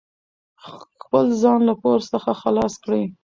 خپل ځان له پور څخه خلاص کړئ.